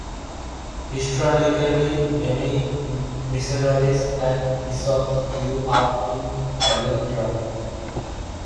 Historically, many missionaries and bishops grew up in Volendam.